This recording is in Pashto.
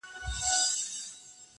چي تا په گلابي سترگو پرهار پکي جوړ کړ~